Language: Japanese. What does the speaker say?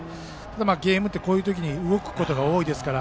ゲームって、こういう時に動くことが多いですから。